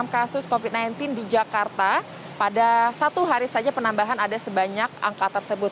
enam kasus covid sembilan belas di jakarta pada satu hari saja penambahan ada sebanyak angka tersebut